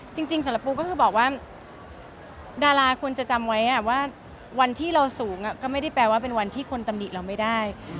จริงสารปูก็คือบอกว่าดาราควรจะจำไว้ว่าวันที่เราสูงก็ไม่ได้แปลว่าเป็นวันที่คนตำหนิเราไม่ได้